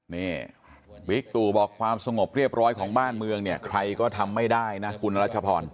นี่บิ๊กตู่บอกความสงบเรียบร้อยของบ้านเมืองเนี่ยใครก็ทำไม่ได้นะคุณรัชพร